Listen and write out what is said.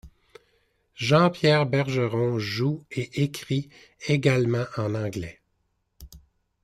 Jean-Pierre Bergeron joue et écrit également en anglais.